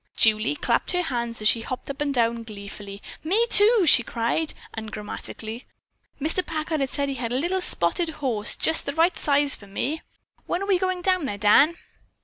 Julie clapped her hands as she hopped up and down gleefully. "Me, too!" she cried ungrammatically. "Mr. Packard said he had a little spotted horse, just the right size for me. When are we going down there, Dan?"